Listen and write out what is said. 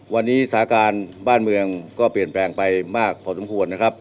วันนี้สาการบ้านเมืองก็เปลี่ยนแปลงไปมากพอสมควรนะครับ